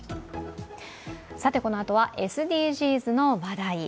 このあとはＳＤＧｓの話題。